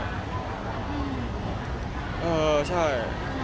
เออใช่